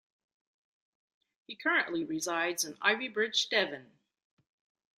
He currently resides in Ivybridge, Devon.